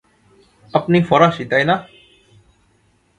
আপনি ফরাসি, তাই না?